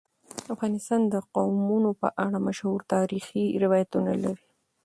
افغانستان د قومونه په اړه مشهور تاریخی روایتونه لري.